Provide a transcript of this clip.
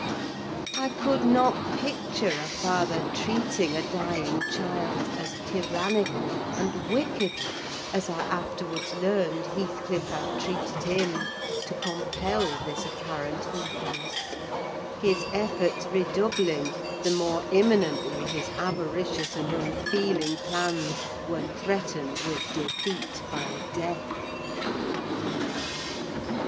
I could not picture a father treating a dying child as tyrannically and wickedly as I afterwards learned Heathcliff had treated him, to compel this apparent eagerness: his efforts redoubling the more imminently his avaricious and unfeeling plans were threatened with defeat by death.